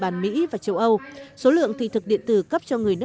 lịch sử của chúng ta